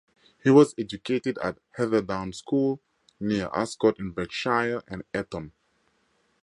He was educated at Heatherdown School, near Ascot in Berkshire, and Eton.